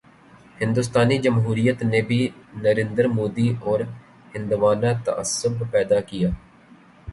ہندوستانی جمہوریت نے بھی نریندر مودی اورہندوانہ تعصب پیدا کیا۔